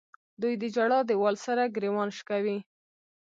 دوی د ژړا دیوال سره ګریوان شکوي.